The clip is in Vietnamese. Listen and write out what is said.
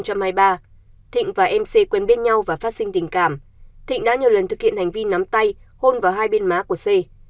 thịnh và m c quen biết nhau và phát sinh tình cảm thịnh đã nhiều lần thực hiện hành vi nắm tay hôn vào hai bên má của c